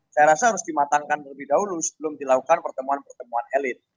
saya rasa harus dimatangkan terlebih dahulu sebelum dilakukan pertemuan pertemuan elit